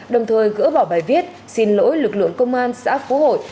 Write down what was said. đồng thời gỡ bỏ bài viết xin lỗi lực lượng công an xã phú hội